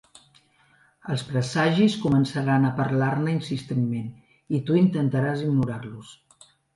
Els presagis començaran a parlar-ne insistentment, i tu intentaràs ignorar-los.